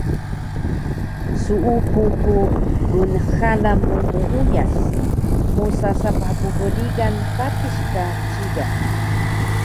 Suupu ku gnxalan mu muuyas mosa sapah bbrigan patis ka ciga